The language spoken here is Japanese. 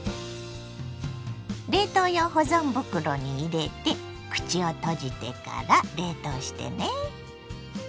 冷凍用保存袋に入れて口を閉じてから冷凍してね。